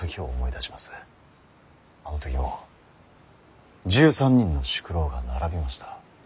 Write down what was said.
あの時も１３人の宿老が並びました。